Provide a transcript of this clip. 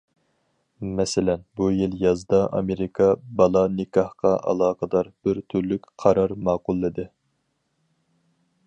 مەسىلەن، بۇ يىل يازدا، ئامېرىكا بالا نىكاھقا ئالاقىدار بىر تۈرلۈك قارار ماقۇللىدى.